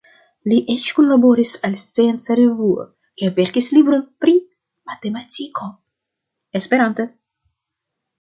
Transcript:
Li eĉ kunlaboris al Scienca Revuo kaj verkis libron pri matematiko esperante.